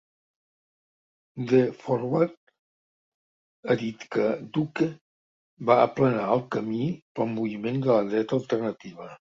"The Forward" ha dit que Duke "va aplanar el camí" pel moviment de la dreta alternativa.